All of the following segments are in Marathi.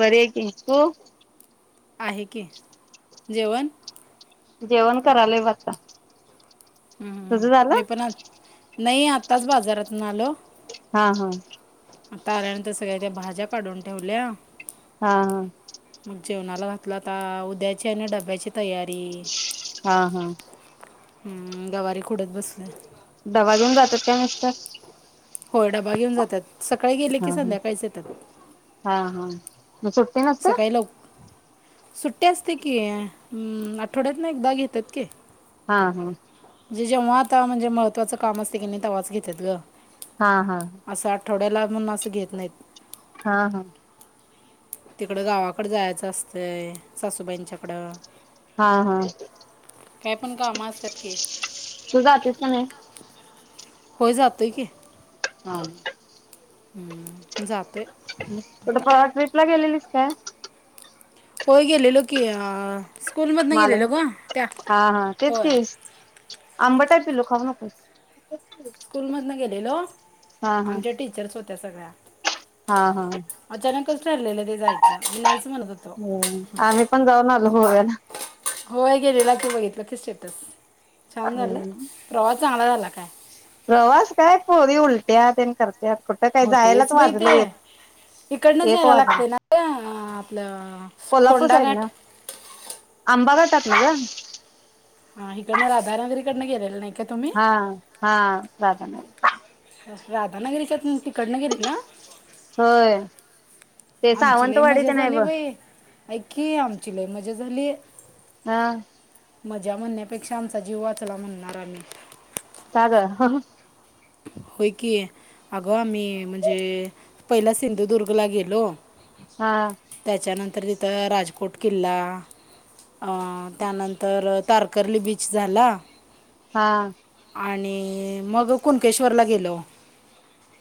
बरी आहे की, तु. आहे की जेवण, जेवण करालोय बघ आता, तुझं झालं मी पण आता, नाही. आताच बाजारातून आलो. हां हां, आता आल्यानंतर सगळ्या त्या भाज्या काढून ठेवल्या. हां हां, मग जेवणाला घातलं आता उद्याची आणि डब्याची तयारी. हां हां, हम्म गवारी खुडत बसलोय. डबा घेऊन जात्यात काय मिस्टर, हो डबा घेऊन जातात. सकाळी गेले हा की हा संध्याकाळीच येतात. हा हा मग सुटटी नसत्या. सकाळी लव सुट्टी असते, की हम्म आठवड्यातन एकदा घेतात की, हा हा, जे जेव्हा आता म्हणजे महत्वाचं काम असते. कनी तेव्हाच घेत्यात. ग हा हा, असं आठवड्याला म्हणून असं घेत नाहीत. हा हा, तिकडं गावाकड जायचं असतंय, सासूबाईंच्याकडं हा हा, काय पण काम असत्यात की, तू जातीस का नाहीस. होय जातोय की, हा, हम्म जातोय. कुठ? आता परवा ट्रीपला गेलेलीस. काय? होय गेलेलो की, अअ माला हा हा तेच होय ते आंबट हाईत. पिल्लु खाऊ नकोस. स्कूलमधन गेलेलो हा हा आमच्या टीचर्स होत त्या सगळ्या, हा हा, अचानकच ठरलेलं ते जायचं. नाहीच. म्हणत होतो ह आम्ही पण जाऊन आलो. गोव्याला होय गेलेला, की बघितलं की स्टेटस छान झाला हम्म प्रवास चांगला झाला काय? प्रवास काय पोरी उलट्या तेन करत त्या कुठं काही हो जायलाच, तेच बाई वाजलं ते एक एक वाजलं हा आपलं कोल्हापूर फोंडा घाट साईडन आंबा घाटात की गं हा हिकडनं राधानगरीकडं गेलेला नाही. का तुम्ही हां हां राजा नाही. राधानगरीच्या निं तिकडन गेलेतनां? होय ते सावंतवाडी तेन हाय बघ. ऐकी आमची लय मजा झाली. हा माजा म्हणण्यापेक्षा आमचा जीव वाचला म्हणणार आम्ही. कां ग [inaudible] होय कीं, अगं आम्ही म्हणजे पहिला सिंधुदुर्गला गेलो. हां तर तिथं राजकोट किल्ला, त्यानंतर तारकर्ली बीच झाला. हां आणि मंग. कुण्केश्वरला गेलोव.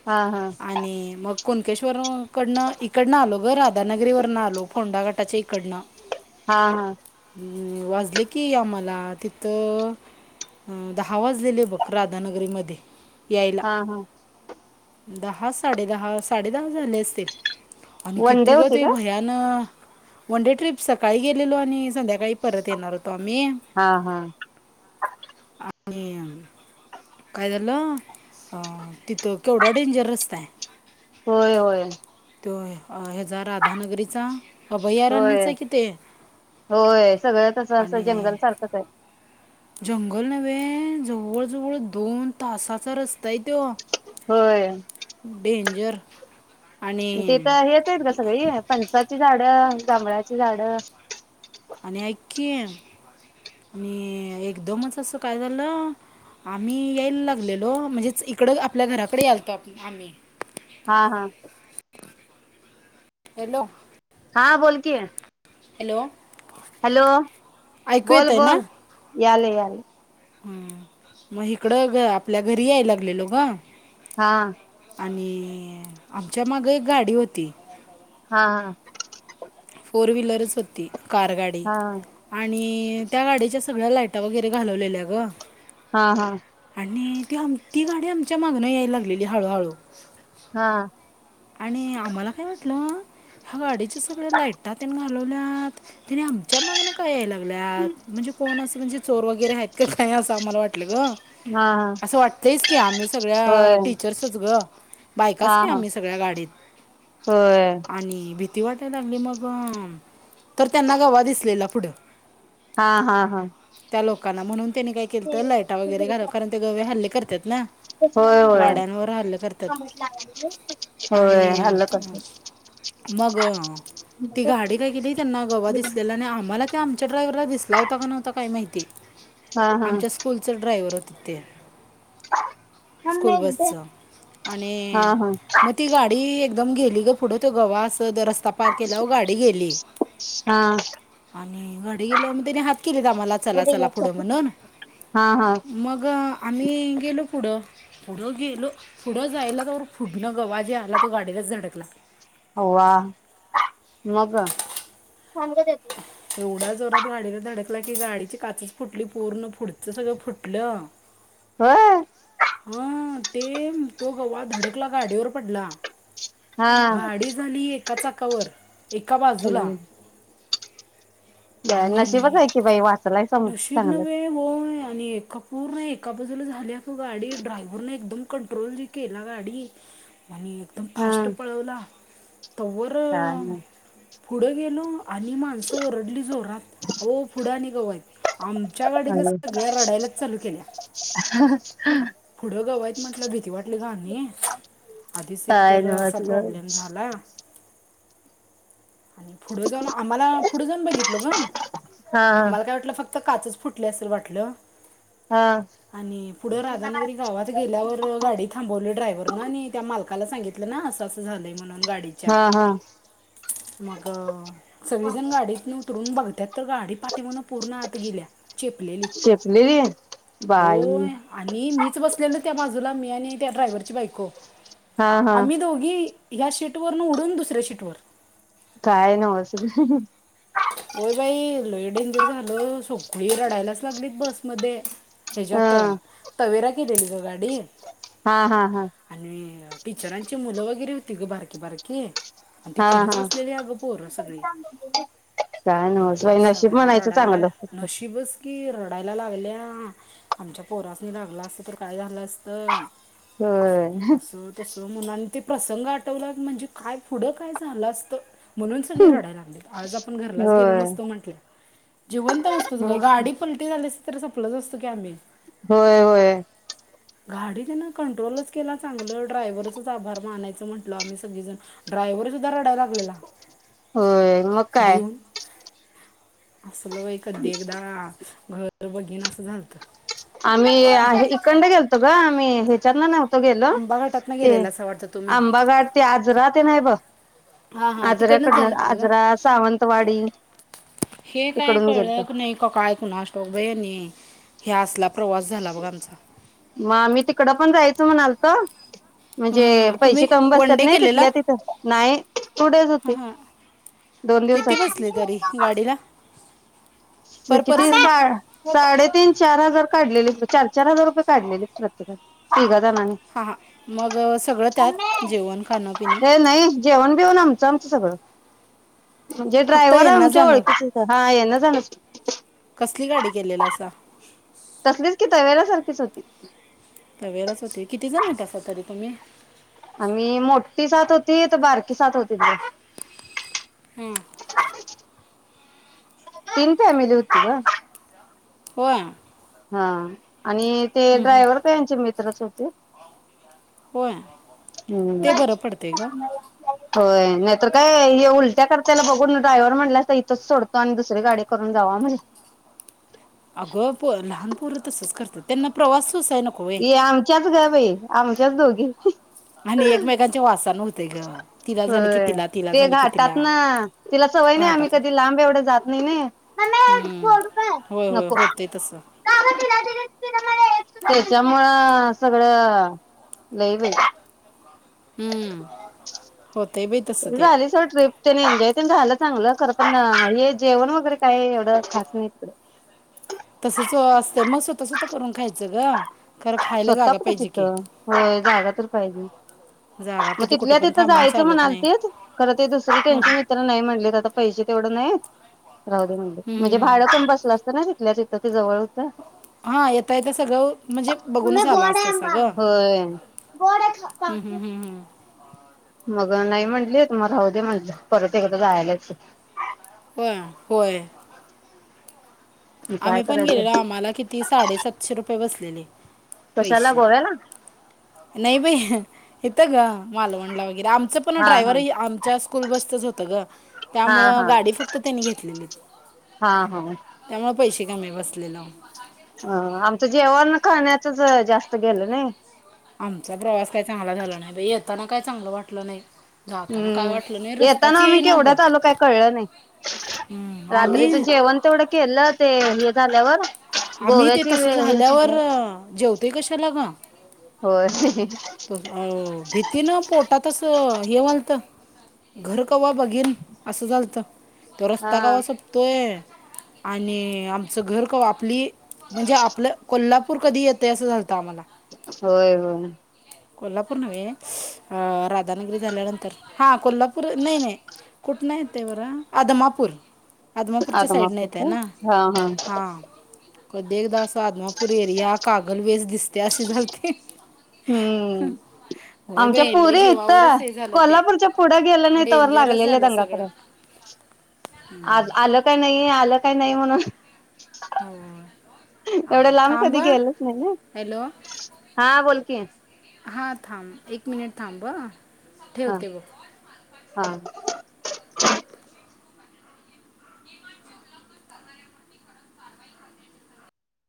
हा हा हा आणि मग कोनकेश्ववरन इकडन इकडनं आलो राधा बनगरे वरन आलो फोंडा गटाच्या इकडनं. हां हां अं वाजले की आम्हाला तिथं अं दहा वाजलेले आहे बघ राधानगरीमध्ये. यायला हां हां दहा साडे दहा, साडे दहा झाले असतील. आणि वन डे किती ग होती ते काय भयान वनडे ट्रिप सकाळी गेलेलो आणि संध्याकाळी परत येणार होतो. तत्वावर मीआं- हा हा हुं काय झालं अः तिथं केवढा डेंजर रस्ताय. होंय होंय. होय हेजा राधानगरीचा. होय, अभयारण्याचा आहे की ते होय सगळं कस असं जंगल आणि सारखंच य. जंगल नव्हे जवळजवळ दोन तासाचा रस्ता आहे त्यो होय डेंजर- [inaudible] हिते तर आहेतच गं सगळी फणसाचीं झाड जांभळाची झाड- आणि आयीकीं आणि एकदमच असं काय झालं आम्ही यायला लागलेलो म्हणजेच इकड आपल्या घराकडे यालत आम्ही- हा हा हॅलो हां बोलकी हॅलो- हॅलो, ऐकू बोल बोल यांलय, यांलय हम् मग इकडं आपल्या घरी यायला लागलेलो. ग हा आणि आमच्यामागं एक गाडी होती. हा फोर व्हिलरच होती. कार गाडी हा आणि त्या गाडीच्या सगळ्या लाइटा वगैरे घालवलेल्या, ग हा हा आणि त ती गाडी आमच्या मागनं यायला लागलेली हळूहळू हा आणि आम्हाला काय वाटलं ह्या गाडीच्या सगळ्या लाइटातेन घा घालवल्यात, तेनि आमच्या मागण का याय गल्यात म्हणजे कोण असं म्हणजे चोर वगैरे आहेत. का काय अस आम्हाला वाट टल गं हा हा असं वाटत की, आम्ही सगळ्या होय टीचर्सच ग हा बायकाच की हा आम्ही सग सगळ्या गाडीत, होय आणि भीती ति वाटाय लागली, मग तर त्यांना गवा दिसलेला पुढं हा हा हा लोकांना म्हणून त्यांनी काय केलंत. लाइटा वगैरे घालवलं कारण ते गवे हल्ले करत येतात, ना होय होय गाड्यांवर हल्ले करतात [unintelligible] आणि हल्ल करते मग ती गाडी काय केली त्यांना गवा दिसलेला आणि आम्हांला आमच्या ड्रायव्हरला दिसला होता का नव्हता काय माहिती हा हा आमच्या स्कूलच [unintelligible] हां आणि हां मग ती गाडी एकदम गेली ग पुढं तो गवाच तो जो रस्ता पार केल्यावर गाडी गेली, हा आणि गाडी गेल्यावर मग त्याने हात केली गं आम्हाला चला चला पुढं म्हणून, हा हा मग आम्ही गेलो, पुढं पुढं गेलो पुढं जायला तर पुंढ पुढंन गवा जे आला तो गाडीलाच धडकला. अवा म गं एवढ्या जोरात गाडीला धडक डकला की गाडीची काचच फुटली. पूर्ण पुढच सगळं फुटलं. व्हय! हं ते तो गवा धडकला गाडीवर पडला. हा गाडी झालीय. ऐका चाकावर एकाबाजुला नशिबच आणि आहे की बाई वाचलाय सम रशीब चांगलं न्हे होय आणि एकप पूर्ण एका बाजूला झाली त गाडी ड्रायव्हरने एकदम कंट्रोल जे केला गाडी आणि एकदम हा फास्ट पळवला. तव्वरर काय पुढं गेलो. आणि माणसं ओरडली जोरात ओ फोडणे जो व्हायचे आमच्या गाडीला नाही सगळ्या रडायलाच चालू केल्या पुढं गवयत म्हटलं भीती वाटली ग नाही आधीच एक काय तर असा नच प्रॉब्लेम झाला. आणि पुढं जाऊन आम्हाला पुढे जाऊन हा लहा काय वाटलं फक्त काचच फुटलं असर वाटलं. हा आणि पुढे राधानगरी गावात गेल्यावर गाडी थांबवली ड्रायव्हरनं आणि त्या मालकाला सांगितलं. ना असं असं झालं म्ह गाडीच्या हा हा मग सगळेजण गाडीतन येऊन बघते की शिकलेली बाई पू याने त्याड्रयवर च बाईको हा हा आम्ही दोघी ह्या शीट वरन उडून दुसऱ्या शीट वर काय नवच होय बाई, लय डेंजर झाल सगळी रडायलाच लागलीत बसमध्ये. ह त्याच्यात तवेरा केलेली ग गाडी हा हा हा आणि टिचरांची मुलं वगैरे होती ग बारकी बारकी ती हा पुढंच हा बसलेली आगं पोर सगळी. काय नवच बाई आणि नशीब सगळ्या म्हणायचं रडायला चांगलं नशीबच की रडायला लागल्या. आमच्या पोरासनी लागला असत तर काय झालं असत? होय. म्हणून आणि ते प्रसंग आठवला म्हणजे काय पुढं काय झालं असतं? ते म्हणून सगळी रडाय लागली. आज आपण घरलाच गेलो नसतो होय म्हटलं. जिवंत नसतोच ग. गाडी पलटी झाली असती तर संपलोच असतो की आम्ही होय होय. गाडी त्यांना कंट्रोलच केला चांगल. ड्रायव्हरच आभार मानायचं म्हटल आम्ही सगळी जण. ड्रायव्हर सुद्धा रडाय लागला. होय मग? काय भिऊन असल बाई, कधी एकदा घर बागिन आस आमी आ हे इकंड गेलतो ग आमी [unintelligible] नव्हतो गेलो. आंबा घाटातनं ते गेलेला असं वाटतं तुम्ही आंबाघाट, ते आजरा, तेन हाय बघ. हा हा तिकडनच जायला आजऱ्याकडन लागते ग. आजरा सावंतवाडी हे काय तिकडून गेलतो कळल नाही का काय कुणास ठाऊक बाई आणी ह्या असला प्रवास झाला बघ आमचा. कड पण जायच म्हणालतो. हां म्हणजे हां हां पैसे तुम्ही कमी वन बसत्यात डे नाही केलेला तिथल्या तिथं, नाही टू डेज हां होती हां दोन किती दिवसाची. बसले तरी गाडीला पर किती पर्सन साड साडे तीन, चार हजार काढलेले. चार, चार हजार रुपये काढलेले. प्रत्येकाचे तिगात हां हां मग सगळं त्यात जेवण खाणं पिणं हे नाही, जेवण बीवन आमचं आमचं सगळं. म्हणजे फक्त ड्रायव्हर यांना आमच्या जाणं ओळखीच हुत. हा येण जाण च की. कसली गाडी केलेलासा? तसलीच कि तवेरासारखीच होती. तवेराच होती किती जण होता असा तरी तुम्ही आम्ही मोठी सात होतीत, बारकी सात होतीत ब. हम्म. तीन फॅमिली होती गं. होय. हां. आणि ते ड्रायव्हर काय यांचे मि त्रच होते. होय हम्म ते बरं पडते ग होय. नाहीतर काय हे उलट्या करत्याल बघून ड्रायव्हर म्हणला असता इथंच सोडतो आणि दुसरी गाडी करून जावा म्हणून अगं पोरं लहान पोरं तसंच करतात त्यांना प्रवास सोसाय नको वे ये आमच्याच गं बाई आमच्याच दोगी. [unintelligible] आणि एकमेकांचे वास होय, ते झालं की तिला घाटातनं तिला सवय नाही आम्ही घाटात कधी लांब एवढं जात नाही नाई. हं. होय होय होते तसं [unintelligible] त्याच्यामुळं सगळं लई बाई. हम्म. झाली सोड ट्रिप त्यानी एन्जॉयपण झालं चांगलं. खरं पण अ हे जेवण वगैरे काय एवढं खास नाही तिकडं. तसंच असतंय म स्वता स्वता करून खाई स्वतः कुठ की तिथं? होय जागा तर पाहिजे. जागा म पाहिजे कुठं तिथल्या पण तिथं थांबून जायचं चालत नाही म्हणालतीत. खरं ते दुसरं हं. त्यांची मित्र नाही म्हणलीत आता पैसे तेवढं नाहीत. राहू दे म्हणलं हम्म. म्हणजे हम्म, हम्म. भाडं पण बसलं असत ना तिथल्या ति तते जवळ होतं. हा येत तय तर सगळं म्हणजे बघूनच आलं असतासा ग. होय हम् हम् हम् हम्. मग नाही म्हटलीत, म राहू दे म्हंटलं परत एकदा जायला येतंय. होय होय. मी काय आम्ही पण गेलेलो करायचं आम्हाला किती साडेसातशे रुपये बसलेले कशाला पैसे. गोव्याला नाही बाई येतं ग मालवणला हे आमचं पण हा ड्रायव्हर हा ही आमच्या स्कूल बसचंच होत गं, हा त्यामुळं हा गाडी फक्त त्यांनी घेतलीत, हा हा त्यामुळं पैसे कमी बसलेलं. अ आमचं जेवण खाण्यातच जास्त गेलं नाही. ताना काय चांगलं वाटलं नाही. जाताना काय हम्म वाटलं नाही येताना रस्ताच आम्ही येईना ग केवढ्यात आलो काही कळलं नाही. हम्म, आम्ही रात्रीचं जेवण तेवढं केलं तेहा झाल्यावर. आम्ही ते गोव्याची तस वेळ हे झाल्यावर संपल्यावर जेवत ते कशाला ग. होय त अ भीतीनं पोटात अस हे व्हालत. घर कवा बघेन असं झालतं. तो हा रस्ता का वा सब तोय आणि आमचं घर का वाप प्ले म्हणजे आपलं कोल्हाप पूर कधी येतय असं झालत. होय होय. कोल्हापूर नव्हे स्स अ राधानगरी झाल्यानंतर हा कोल्हापूर नाही नाही कुठ नाही ते बर आदमापूर आदमापूरच्या साईडनं येते आदमापूर ना का हा हा. कधी एकदा आदमापूर एरिया कागल वेस ते असं झालते. हम्म होय आमच्या बाई लय पुरी इथ जीवावरच हे झालं ते कोल्हापूरच्या पुढ्या गेलं नाही तर व डेंजरच लागलेलं झालं सगळं दंगाकरय आज आलं काय नाही आलं काय नाही. म्हणून हो. एवढं हां लांब थांब कधी हं. गेलच नाही ना हॅलो हा बोलकी, हां थांब एक मिनिट थांबा. हा हा. ह.